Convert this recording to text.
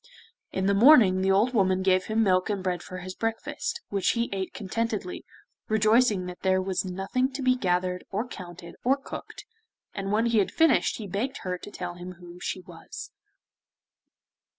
In the morning the old woman gave him milk and bread for his breakfast, which he ate contentedly, rejoicing that there was nothing to be gathered, or counted, or cooked, and when he had finished he begged her to tell him who she was.